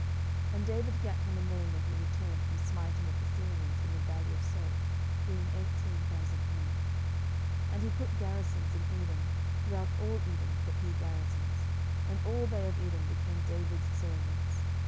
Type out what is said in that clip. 10:008:013 And David gat him a name when he returned from smiting of the Syrians in the valley of salt, being eighteen thousand men. 10:008:014 And he put garrisons in Edom; throughout all Edom put he garrisons, and all they of Edom became David's servants.